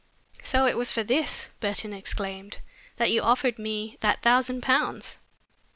"So it was for this," Burton exclaimed, "that you offered me that thousand pounds!"